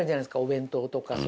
お弁当とか。